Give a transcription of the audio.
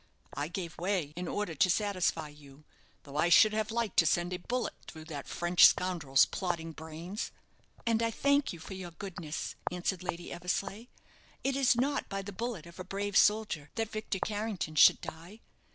I gave way in order to satisfy you, though I should have liked to send a bullet through that French scoundrel's plotting brains." "And I thank you for your goodness," answered Lady Eversleigh. "It is not by the bullet of a brave soldier that Victor Carrington should die.